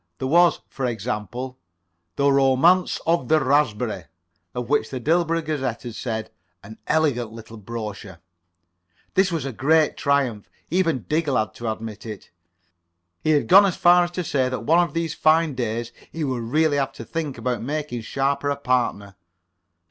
There was, for example, "The Romance of the Raspberry," of which the Dilborough Gazette had said: "An elegant little brochure." This was a great triumph. Even Diggle had to admit it. He had gone so far as to say that one of these fine days he would really have to think about making Sharper a partner.